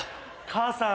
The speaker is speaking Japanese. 母さん！